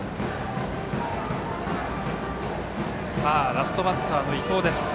ラストバッターの伊藤。